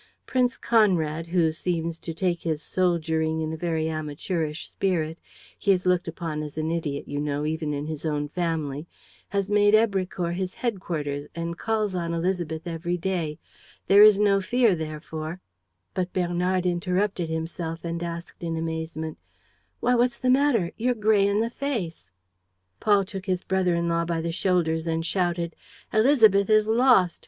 "Prince Conrad, who seems to take his soldiering in a very amateurish spirit he is looked upon as an idiot, you know, even in his own family has made Èbrecourt his headquarters and calls on Élisabeth every day. There is no fear, therefore. ..." But Bernard interrupted himself, and asked in amazement, "Why, what's the matter? You're gray in the face." Paul took his brother in law by the shoulders and shouted: "Élisabeth is lost.